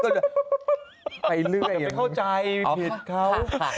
ก็ไม่เข้าใจผิดเขา